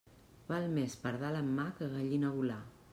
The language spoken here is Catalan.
Val més pardal en mà que gallina volar.